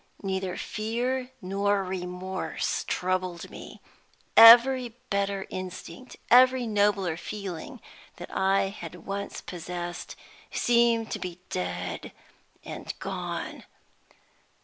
Neither fear nor remorse troubled me. Every better instinct, every nobler feeling that I had once possessed, seemed to be dead and gone.